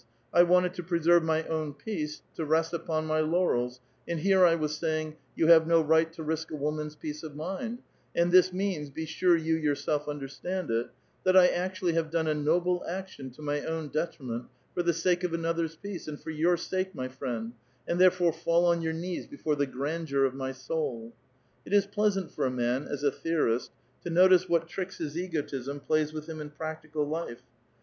I wanted to preserve my own peace, to rest ui)()n my laurels, and here I was saying, 'You have no right to risk a woman's peace of mind '; and this means — be sure you yourself understand it — that I actually have done a noble action to my own detriment, fo the sake of another's peace, aud for your sake, my friend, and therefore fall on your knees before the grandeur of my soul I It is pleasant for a man, as a theorist, to notice wha tricks his egotism plays with him in practical life.